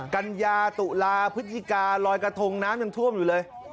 กัญญาตุลาพฤศจิกาลอยกระทงน้ำยังท่วมอยู่เลย